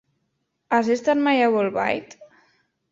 Has estat mai a Bolbait?